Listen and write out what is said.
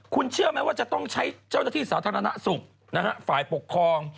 ก็ที่สาธารณสุขฝ่ายปกครอง